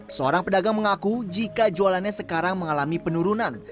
seorang pedagang mengaku jika jualannya sekarang mengalami penurunan